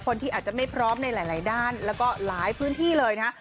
คนที่อาจจะไม่พร้อมในหลายด้านแล้วก็หลายพื้นที่เลยนะฮะ